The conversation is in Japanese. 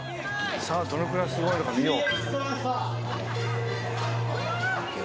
さあどのくらいすごいのか見よう。